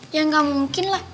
ya enggak mungkin lah